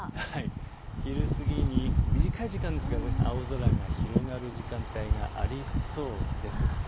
昼過ぎに短い時間ですが青空が広がる時間帯がありそうです。